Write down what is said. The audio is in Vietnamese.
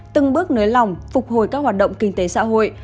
từng bước nới lỏng phục hồi các hoạt động kinh tế xã hội